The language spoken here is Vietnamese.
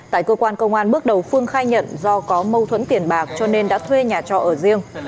tại cơ quan công an bước đầu phương khai nhận do có mâu thuẫn tiền bạc cho nên đã thuê nhà trọ ở riêng